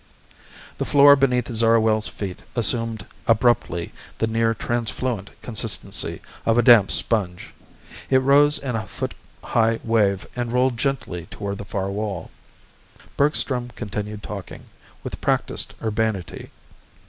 The floor beneath Zarwell's feet assumed abruptly the near transfluent consistency of a damp sponge. It rose in a foot high wave and rolled gently toward the far wall. Bergstrom continued talking, with practiced urbanity.